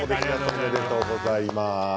おめでとうございます。